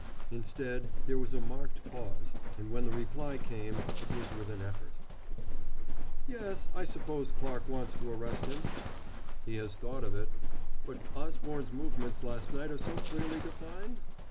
Instead, there was a marked pause, and, when the reply came, it was with an effort. "Yes. I suppose Clarke wants to arrest him?" "He has thought of it!" "But Osborne's movements last night are so clearly defined?"